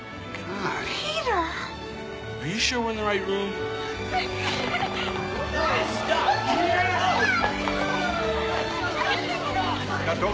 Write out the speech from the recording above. ありがとう